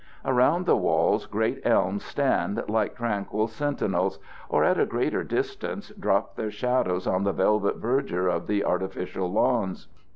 Around the walls great elms stand like tranquil sentinels, or at a greater distance drop their shadows on the velvet verdure of the artificial lawns.